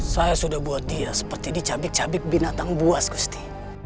saya sudah buat dia seperti dicabik cabik binatang buas gusti